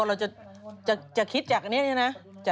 เราจะคิดจากนี้นะ